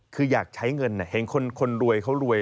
คืออยากใช้เงินเห็นคนรวยเขารวย